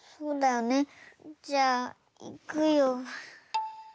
じゃあいくよ。